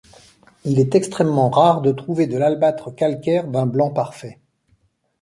Il est extrêmement rare de trouver de l’albâtre calcaire d’un blanc parfait.